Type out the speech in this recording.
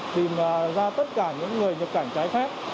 tìm ra tất cả những người nhập cảnh trái phép